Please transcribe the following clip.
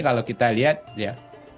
kalau kita lihat ya